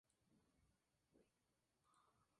Lo dos accesos se puede hacer caminando o con vehículo.